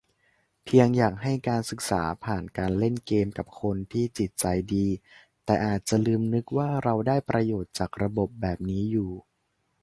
เพียงอยากให้การศึกษาผ่านการเล่นเกมกับคนที่จิตใจดี แต่อาจจะลืมนึก ว่าเราได้ประโยชน์จากระบบแบบนี้อยู่